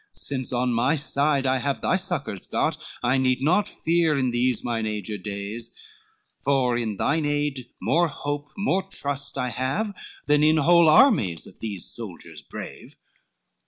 Since on my side I have thy succors got, I need not fear in these my aged days, For in thine aid more hope, more trust I have, Than in whole armies of these soldiers brave.